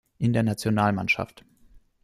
In der Nationalmannschaft